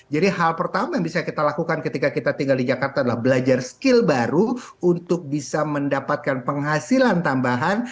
jadi hal pertama yang bisa kita lakukan ketika kita tinggal di jakarta adalah belajar skill baru untuk bisa mendapatkan penghasilan tambahan